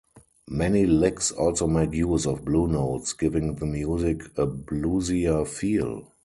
Many licks also make use of blue notes, giving the music a bluesier feel.